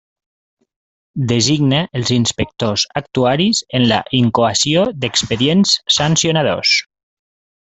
Designa els inspectors actuaris en la incoació d'expedients sancionadors.